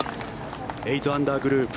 ８アンダーグループ。